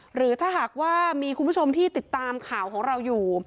หรือถ้าหากว่ามีคุณผู้ชมที่ติดตามข่าวของเราอยู่